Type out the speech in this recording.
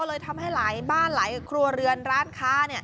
เลยทำให้หลายบ้านหลายครัวเรือนร้านค้า